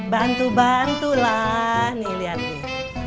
bantu bantulah nih lihat nih